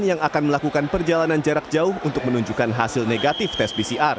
yang akan melakukan perjalanan jarak jauh untuk menunjukkan hasil negatif tes pcr